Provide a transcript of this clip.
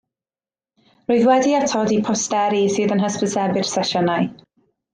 Rwyf wedi atodi posteri sydd yn hysbysebu'r sesiynau